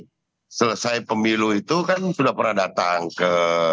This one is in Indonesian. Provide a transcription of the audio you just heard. jadi selesai pemilu itu kan sudah pernah datang ke